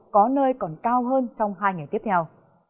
có nơi còn cao hơn trong hai ngày tiếp theo